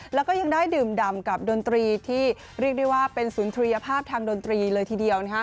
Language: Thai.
แล้วก็ยังได้ดื่มดำกับดนตรีที่เรียกได้ว่าเป็นสุนทรียภาพทางดนตรีเลยทีเดียว